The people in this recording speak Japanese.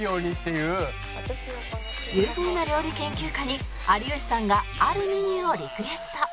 有名な料理研究家に有吉さんがあるメニューをリクエスト。